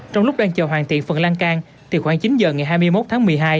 trong lúc đang chờ hoàn thiện phần lan can từ khoảng chín giờ ngày hai mươi một tháng một mươi hai